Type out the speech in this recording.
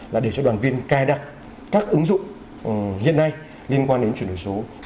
là để cho đoàn viên cài đặt các ứng dụng hiện nay liên quan đến chuyển đổi số